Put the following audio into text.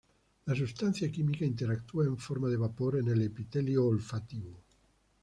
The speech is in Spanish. La sustancia química interactúa en forma de vapor en el epitelio olfativo.